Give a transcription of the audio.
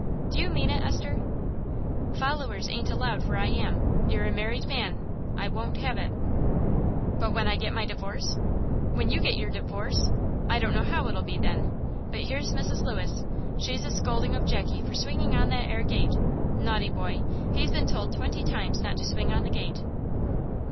"Do you mean it, Esther?" "Followers ain't allowed where I am. You're a married man. I won't have it." "But when I get my divorce?" "When you get your divorce! I don't know how it'll be then. But here's Mrs. Lewis; she's a scolding of Jackie for swinging on that 'ere gate. Naughty boy; he's been told twenty times not to swing on the gate."